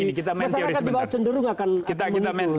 masyarakat di bawah cenderung akan menutup